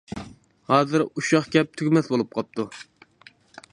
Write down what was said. ھازىر ئۇششاق گەپ تۈگىمەس بولۇپ قاپتۇ.